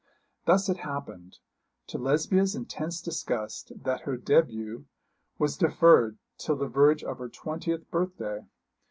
Thus it happened, to Lesbia's intense disgust, that her début was deferred till the verge of her twentieth birthday.